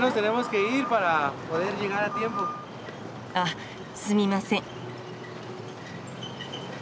あっすみません。